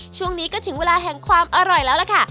ช่วงนี้ก็ถึงเวลาแห่งความอร่อยแล้วล่ะค่ะ